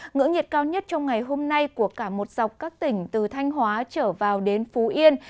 ngưỡng nhiệt cao nhất trong ngày hôm nay của cả một dọc các tỉnh từ thanh hóa trở vào đến phú yên